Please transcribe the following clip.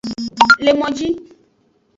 Le moji.